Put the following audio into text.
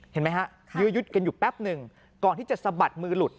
เห็นไหมฮะยื้อยุดกันอยู่แป๊บหนึ่งก่อนที่จะสะบัดมือหลุด